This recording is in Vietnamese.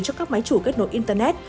cho các máy chủ kết nối internet